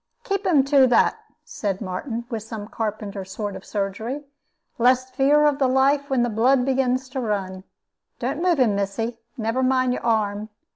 "Keep him to that," said Martin, with some carpenter sort of surgery; "less fear of the life when the blood begins to run. Don't move him, missy; never mind your arm.